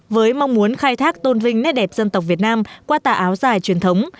với mong muốn khai thác tôn vinh nét đẹp dân tộc việt nam qua tà áo dài truyền thống